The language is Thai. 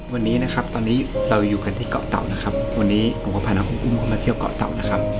วันนี้นะครับตอนนี้เราอยู่กันที่เกาะเต่านะครับวันนี้ผมก็พาน้องคุณอุ้มเข้ามาเที่ยวเกาะเต่านะครับ